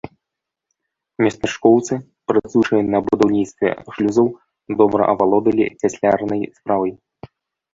Местачкоўцы, працуючы на будаўніцтве шлюзаў, добра авалодалі цяслярнай справай.